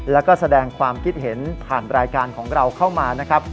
แล้วก็แสดงความคิดเห็นผ่านรายการของเราเข้ามานะครับ